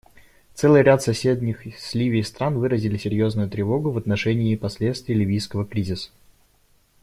Целый ряд соседних с Ливией стран выразили серьезную тревогу в отношении последствий ливийского кризиса.